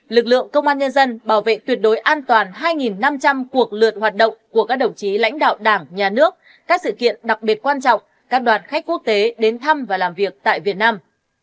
lực lượng công an nhân dân bảo vệ tuyệt đối an toàn hai năm trăm linh cuộc lượt hoạt động của các đồng chí lãnh đạo đảng nhà nước các sự kiện đặc biệt quan trọng các đoàn khách quốc tế đến thăm và làm việc tại việt nam